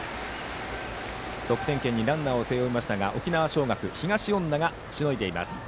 得点圏にランナーを背負いましたが沖縄尚学は東恩納がしのいでいます。